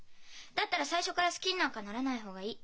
だったら最初から好きになんかならない方がいい。